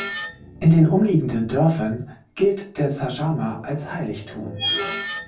In den umliegenden Dörfern gilt der Sajama als Heiligtum.